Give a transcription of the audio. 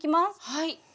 はい。